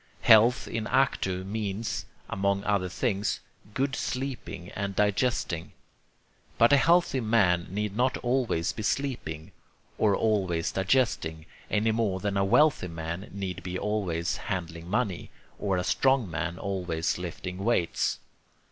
Health in actu means, among other things, good sleeping and digesting. But a healthy man need not always be sleeping, or always digesting, any more than a wealthy man need be always handling money, or a strong man always lifting weights.